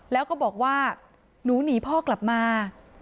แล้วก็บอกว่าหนูหนีพ่อกลับมา